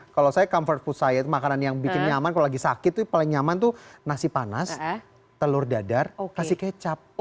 kalau saya comfort food saya itu makanan yang bikin nyaman kalau lagi sakit itu paling nyaman tuh nasi panas telur dadar kasih kecap